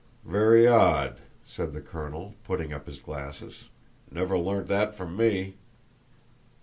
"Very odd," said the colonel, putting up his glasses; "never learned that from me."